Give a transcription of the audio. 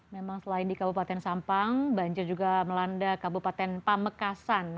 memang selain di kabupaten sampang banjir juga melanda kabupaten pamekasan